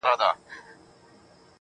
• خو نن د زړه له تله.